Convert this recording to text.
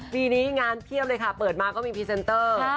ปีนี้งานเพียบเลยค่ะเปิดมาก็มีพรีเซนเตอร์